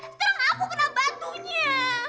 sekarang aku kena bantunya